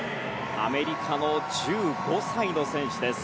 アメリカの１５歳の選手です。